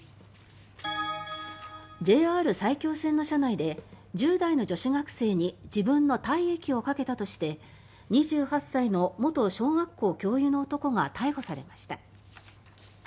ＪＲ埼京線の車内で１０代の女子学生に自分の体液をかけたとして２８歳の元小学校教諭の男が逮捕されました。